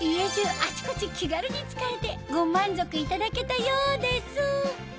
あちこち気軽に使えてご満足いただけたようです